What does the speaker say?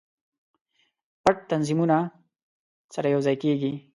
پټ تنظیمونه سره یو ځای کیږي.